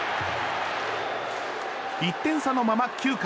１点差のまま９回。